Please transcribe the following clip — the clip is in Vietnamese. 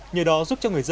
nhiều đó giúp cho người dân